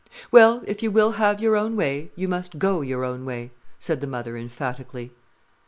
"Well, if you will have your own way, you must go your own way," said the mother emphatically.